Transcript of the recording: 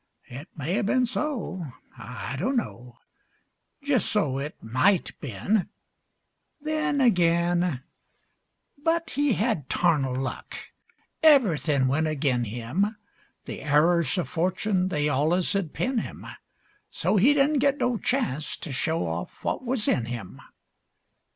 It may have been so; I dunno; Jest so, it might been, Then ag'in, But he had tarnal luck, eyerythin' went ag'in him, The arrers of fortune they allus' 'ud pin him; So he didn't get no chance to show off what was in him.